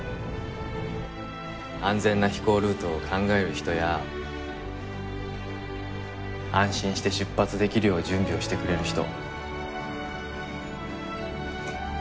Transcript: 安全な飛行ルートを考える人や安心して出発できるよう準備をしてくれる人。